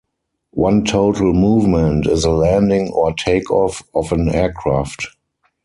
One total movement is a landing or takeoff of an aircraft.